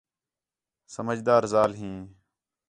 سمجھدار ذال ہیں